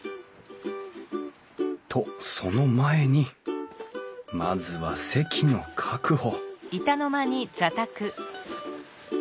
とその前にまずは席の確保